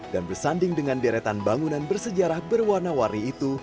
dan bersanding dengan deretan bangunan bersejarah berwarna wari itu